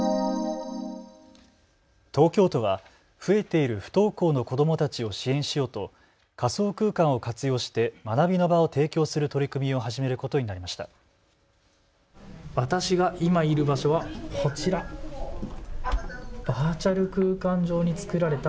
東京都は増えている不登校の子どもたちを支援しようと仮想空間を活用して学びの場を提供する取り組みを始めることになりました。